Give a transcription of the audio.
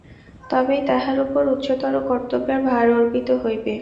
তবেই তাহার উপর উচ্চতর কর্তব্যের ভার অর্পিত হইবে।